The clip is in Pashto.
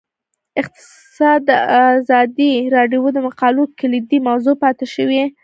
اقتصاد د ازادي راډیو د مقالو کلیدي موضوع پاتې شوی.